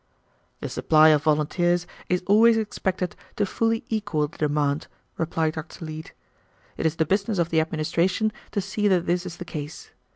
"The supply of volunteers is always expected to fully equal the demand," replied Dr. Leete. "It is the business of the administration to see that this is the case.